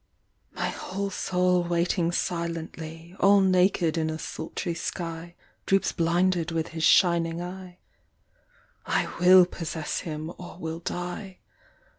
My whole soul waiting silently, All naked in a sultry sky, Droops blinded with his shining eye: I will possess him or will die.